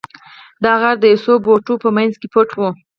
دا غار د یو څو بوټو په مینځ کې پټ و